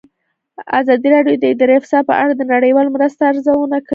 ازادي راډیو د اداري فساد په اړه د نړیوالو مرستو ارزونه کړې.